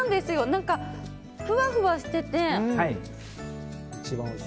何か、ふわふわしてて。